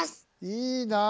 いいなあ。